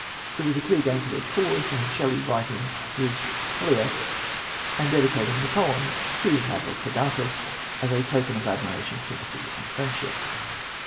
It was a clear gain to their cause to have Shelley writing his "Hellas," and dedicating the poem to Mavrocordatos, as "a token of admiration, sympathy, and friendship."